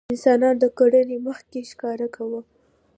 انسانانو د کرنې مخکې ښکار کاوه.